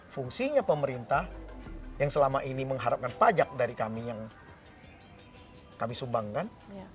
fungsinya pemerintah yang selama ini mengharapkan pajak dari kami yang kami sumbangkan